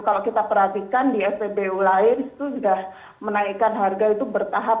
kalau kita perhatikan di spbu lain itu sudah menaikkan harga itu bertahap